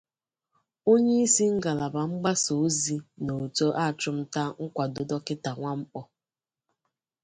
Onyeisi ngalaba mgbasaozi n'òtù achụmta nkwàdo Dọkịta Nwankpọ